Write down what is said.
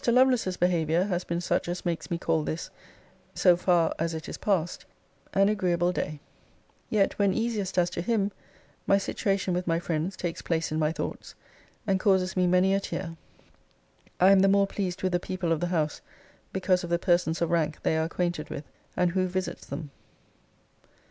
Lovelace's behaviour has been such as makes me call this, so far as it is passed, an agreeable day. Yet, when easiest as to him, my situation with my friends takes place in my thoughts, and causes me many a tear. I am the more pleased with the people of the house, because of the persons of rank they are acquainted with, and who visits them.